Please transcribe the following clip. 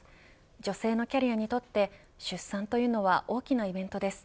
女性のキャリアにとって出産というのは大きなイベントです。